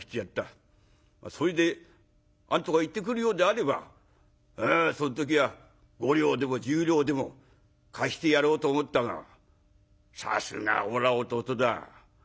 それで何とか言ってくるようであればその時は５両でも１０両でも貸してやろうと思ったがさすがおらが弟だ。